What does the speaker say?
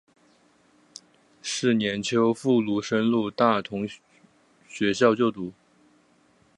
是年秋赴沪升入大同学校就读。